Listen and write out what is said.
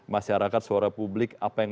masyarakat suara publik apa yang